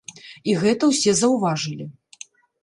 І гэта ўсе заўважылі.